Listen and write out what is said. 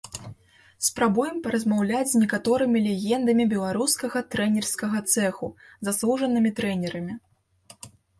Спрабуем паразмаўляць з некаторымі легендамі беларускага трэнерскага цэху, заслужанымі трэнерамі.